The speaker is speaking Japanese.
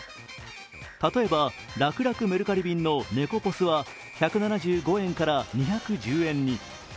例えばらくらくメルカリ便のネコポスは１７５円から２１０円に。